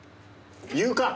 言うか！